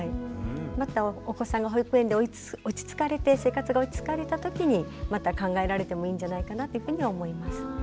またお子さんが保育園で落ち着かれて生活が落ち着かれたときにまた考えられてもいいんじゃないかなというふうには思います。